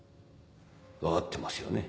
分かってますよね？